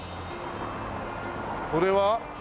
これは？